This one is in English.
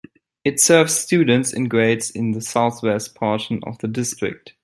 It serves students in grades in the southwest portion of the district.